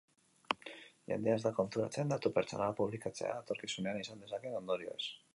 Jendea ez da konturatzen datu pertsonalak publikatzeak etorkizunean izan dezakeen ondorioez.